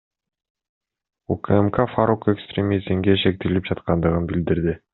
УКМК Фарук экстремизмге шектелип жаткандыгын билдирди.